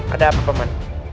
ada apa pemen